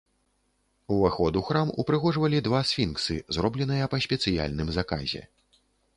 Уваход у храм упрыгожвалі два сфінксы, зробленыя па спецыяльным заказе.